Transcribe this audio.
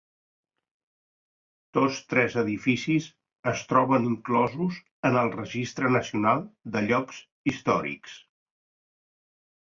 Tots tres edificis es troben inclosos en el Registre nacional de llocs històrics.